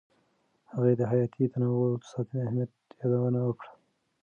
هغې د حیاتي تنوع ساتنې اهمیت یادونه وکړه.